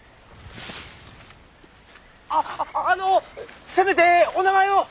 あっあのせめてお名前を！